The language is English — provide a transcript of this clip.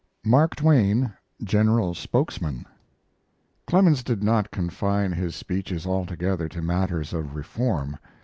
MARK TWAIN GENERAL SPOKESMAN Clemens did not confine his speeches altogether to matters of reform.